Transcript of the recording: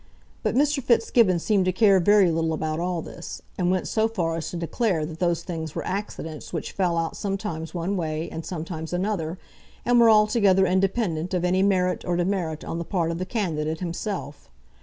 But Mr. Fitzgibbon seemed to care very little about all this, and went so far as to declare that those things were accidents which fell out sometimes one way and sometimes another, and were altogether independent of any merit or demerit on the part of the candidate himself.